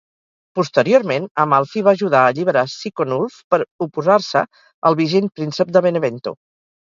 Posteriorment, Amalfi va ajudar a alliberar Siconulf per oposar-se al vigent príncep de Benevento.